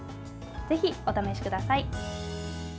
ぜひ、お試しください。